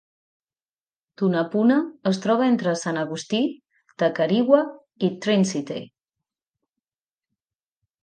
Tunapuna es troba entre Sant Agustí, Tacarigua i Trincity.